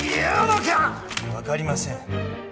わかりません。